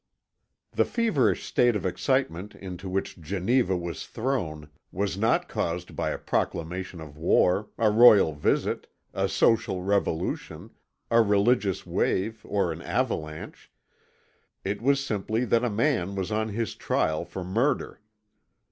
The feverish state of excitement into which Geneva was thrown was not caused by a proclamation of war, a royal visit, a social revolution, a religious wave, or an avalanche. It was simply that a man was on his trial for murder.